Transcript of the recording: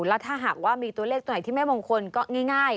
แล้วถ้าหากว่ามีตัวเลขตัวไหนที่ไม่มงคลก็ง่าย